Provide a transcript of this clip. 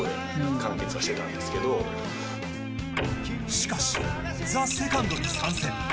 しかしＴＨＥＳＥＣＯＮＤに参戦。